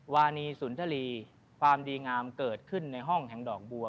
วานีสุนทรีความดีงามเกิดขึ้นในห้องแห่งดอกบัว